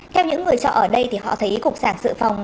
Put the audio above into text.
theo những người chọ ở đây họ thấy cục sàng sự phòng